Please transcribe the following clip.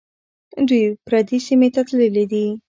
دوی پردي سیمې ته تللي دي.